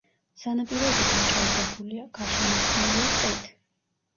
სანაპიროები დაჭაობებულია, გარშემორტყმულია ტყით.